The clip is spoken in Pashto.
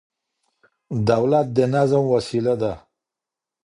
دولت د نظم وسيله ده.